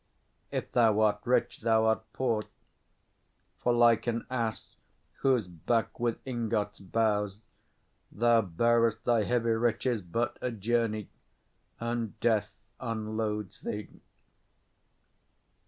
If thou art rich, thou'rt poor; 25 For, like an ass whose back with ingots bows, Thou bear'st thy heavy riches but a journey, And death unloads thee.